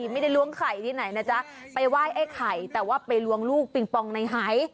ล้วงไข่ที่ไหนนะจ๊ะไปไหว้ไอ้ไข่แต่ว่าไปล้วงลูกปิงปองในหาย